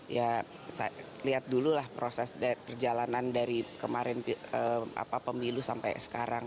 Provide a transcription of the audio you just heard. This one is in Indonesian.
ya lihat dulu lah proses perjalanan dari kemarin pemilu sampai sekarang